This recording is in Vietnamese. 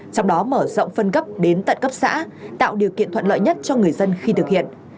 trong đó mở rộng phân cấp đến tận cấp xã tạo điều kiện thuận lợi nhất cho người dân khi thực hiện